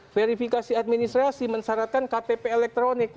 verifikasi administrasi mensyaratkan ktp elektronik